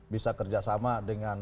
bisa kerjasama dengan